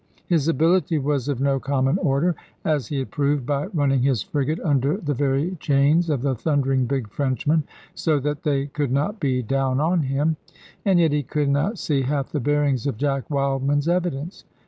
His ability was of no common order, as he had proved by running his frigate under the very chains of the thundering big Frenchman, so that they could not be down on him. And yet he could not see half the bearings of Jack Wildman's evidence.